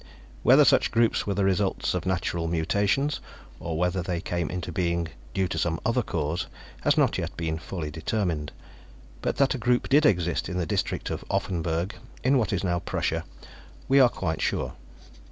Whether such groups were the results of natural mutations, or whether they came into being due to some other cause, has not yet been fully determined, but that a group did exist in the district of Offenburg, in what is now Prussia, we are quite sure.